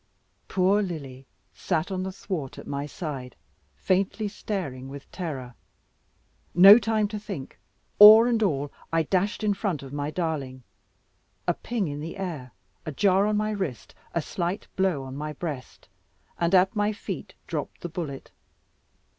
Poor Lily sat on the thwart at my side, faintly staring with terror. No time to think; oar and all I dashed in front of my darling. A ping in the air, a jar on my wrist, a slight blow on my breast, and at my feet dropped the bullet.